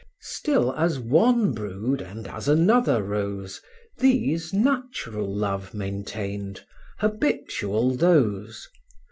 Still as one brood, and as another rose, These natural love maintained, habitual those.